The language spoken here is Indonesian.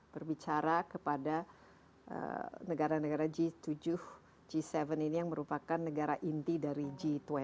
berbicara kepada negara negara g tujuh g tujuh ini yang merupakan negara inti dari g dua puluh